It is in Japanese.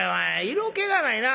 色気がないな。